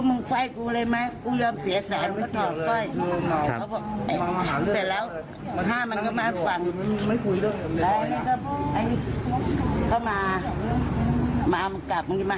กูหาของกูกูไม่เกี่ยวพวกมึง